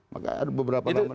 maka ada beberapa namanya